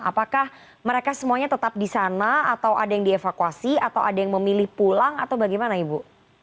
apakah mereka semuanya tetap di sana atau ada yang dievakuasi atau ada yang memilih pulang atau bagaimana ibu